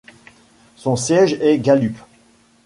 Son siège est Gallup.